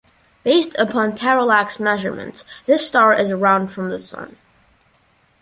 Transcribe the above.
Based upon parallax measurements, this star is around from the Sun.